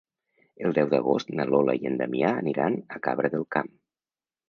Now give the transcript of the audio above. El deu d'agost na Lola i en Damià aniran a Cabra del Camp.